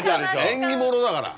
縁起物だから。